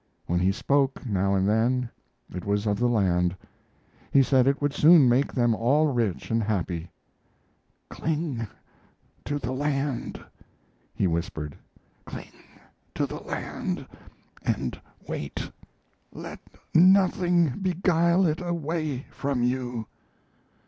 When he spoke, now and then, it was of the land. He said it would soon make them all rich and happy. "Cling to the land," he whispered. "Cling to the land, and wait. Let nothing beguile it away from you."